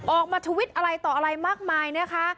ทวิตอะไรต่ออะไรมากมายนะคะ